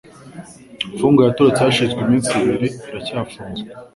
Imfungwa yatorotse hashize iminsi ibiri iracyafunzwe.